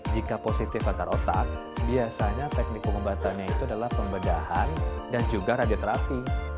jika positif antar otak biasanya teknik pengobatannya itu adalah pembedahan dan juga radioterapi